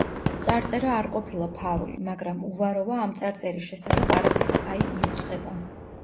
წარწერა არ ყოფილა ფარული, მაგრამ უვაროვა ამ წარწერის შესახებ არაფერს აი იუწყება.